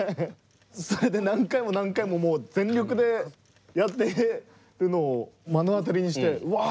それで何回も何回ももう全力でやってるのを目の当たりにしてうわ